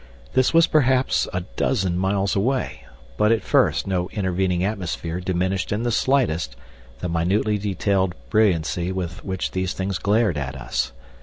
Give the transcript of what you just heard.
This was perhaps a dozen miles away, but at first no intervening atmosphere diminished in the slightest the minutely detailed brilliancy with which these things glared at us.